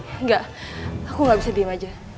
enggak aku gak bisa diam aja